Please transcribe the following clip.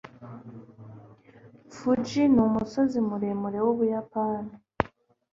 mt. fuji ni umusozi muremure w'ubuyapani